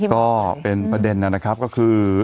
ก็เป็นประเด็นนะครับก็คือ